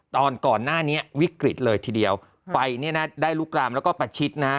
ตอนก่อนหน้านี้วิกฤตเลยทีเดียวไฟเนี่ยนะได้ลุกลามแล้วก็ประชิดนะฮะ